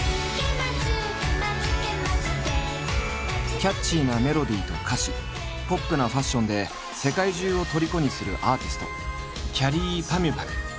キャッチーなメロディーと歌詞ポップなファッションで世界中を虜にするアーティストきゃりーぱみゅぱみゅ。